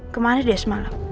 kemarin dia semalam